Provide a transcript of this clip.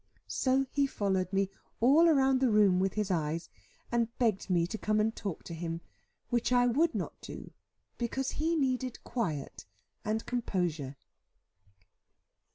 So he followed me all round the room with his eyes, and begged me to come and talk to him, which I would not do, because he needed quiet and composure.